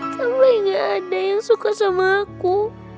sampai gak ada yang suka sama aku